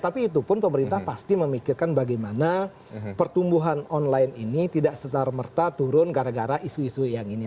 tapi itu pun pemerintah pasti memikirkan bagaimana pertumbuhan online ini tidak setara merta turun gara gara isu isu yang ini